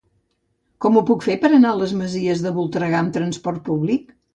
Com ho puc fer per anar a les Masies de Voltregà amb trasport públic?